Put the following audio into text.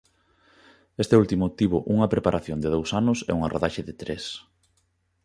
Este último tivo unha preparación de dous anos e unha rodaxe de tres.